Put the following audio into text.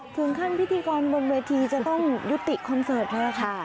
ถึงขั้นพิธีกรบนเวทีจะต้องยุติคอนเซิร์ตน่ะล่ะค่ะ